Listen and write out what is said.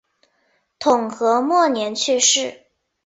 统和末年去世。